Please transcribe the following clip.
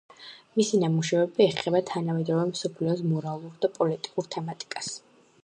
მისი ნამუშევრები ეხება თანამედროვე მსოფლიოს მორალურ და პოლიტიკურ თემატიკას.